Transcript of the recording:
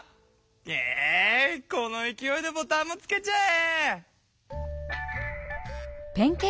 えいこのいきおいでボタンもつけちゃえ！